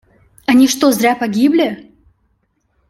Они что, зря погибли?